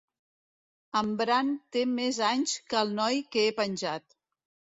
En Bran té més anys que el noi que he penjat.